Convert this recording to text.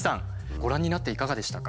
ご覧になっていかがでしたか？